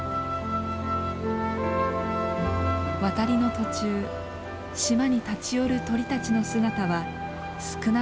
渡りの途中島に立ち寄る鳥たちの姿は少なくなってきました。